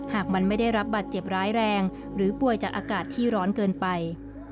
หากมันไม่ได้รับบัตรเจ็บร้ายแรงหรือป่วยจากอากาศที่ร้อนเกินไป